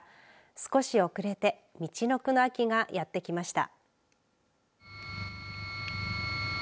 少し遅れてみちのくの秋がやってきました。